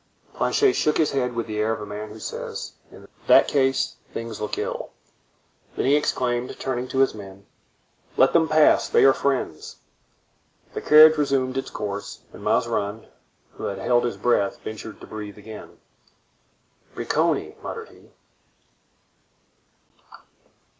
Planchet shook his head with the air of a man who says, "In that case things look ill." Then he exclaimed, turning to his men: "Let them pass; they are friends." The carriage resumed its course, and Mazarin, who had held his breath, ventured to breathe again. "Bricconi!" muttered he.